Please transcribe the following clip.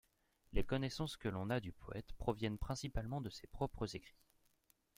Les connaissances que l’on a du poète proviennent principalement de ses propres écrits.